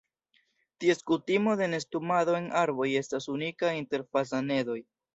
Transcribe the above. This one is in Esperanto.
Ties kutimo de nestumado en arboj estas unika inter fazanedoj.